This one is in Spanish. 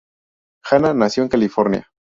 Hannah nació en California.